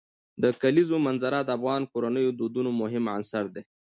د کلیزو منظره د افغان کورنیو د دودونو مهم عنصر دی.